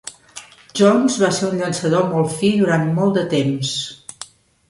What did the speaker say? Jones va ser un llançador molt fi durant molt de temps.